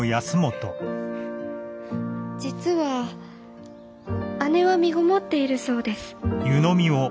実は姉はみごもっているそうです。